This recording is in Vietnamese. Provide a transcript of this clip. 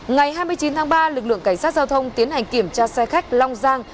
ngày hai mươi chín tháng ba lực lượng cảnh sát giao thông tiến hành kiểm tra xe khách long giang